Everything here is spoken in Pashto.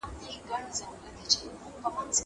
هغه څوک چي قلمان پاکوي منظم وي!